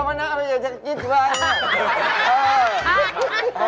กินได้เนี่ย